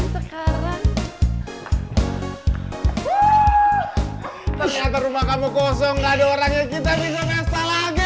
ternyata rumah kamu kosong gak ada orang yang kita bisa mesra lagi